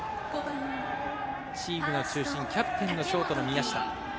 チームの中心キャプテンのショートの宮下。